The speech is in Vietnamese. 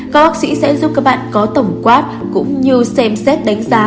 các bác sĩ sẽ giúp các bạn có tổng quát cũng như xem xét đánh giá